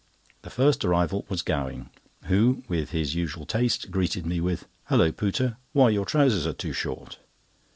The first arrival was Gowing, who, with his usual taste, greeted me with: "Hulloh, Pooter, why your trousers are too short!"